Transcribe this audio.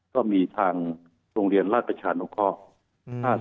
ก็มีทางโรงเรียนรัฐประชานุกภาพ